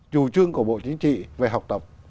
chủ trương của bộ chính trị về học tập